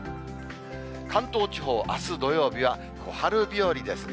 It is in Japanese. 関東地方、あす土曜日は、小春日和ですね。